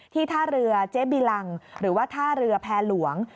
ท่าเรือเจ๊บิลังหรือว่าท่าเรือแพร่หลวง